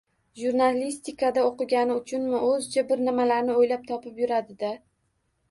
Jurnalistikada o`qigani uchunmi, o`zicha bir nimalarni o`ylab topib yuradi-da